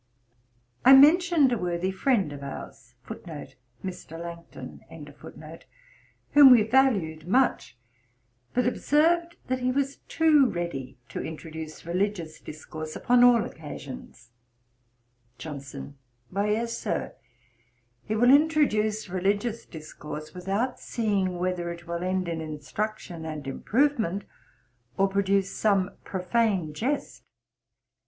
I mentioned a worthy friend of ours whom we valued much, but observed that he was too ready to introduce religious discourse upon all occasions. JOHNSON. 'Why, yes, Sir, he will introduce religious discourse without seeing whether it will end in instruction and improvement, or produce some profane jest.